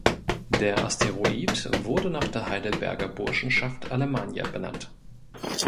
Der Asteroid wurde nach der Heidelberger Burschenschaft Allemannia benannt.